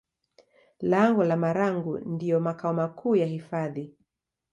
Lango la Marangu ndiyo makao makuu ya hifadhi